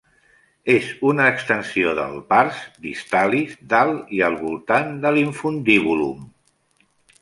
És una extensió del pars distalis dalt i al voltant de l'infundibulum.